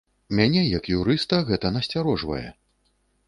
Мяне, як юрыста, гэта насцярожвае.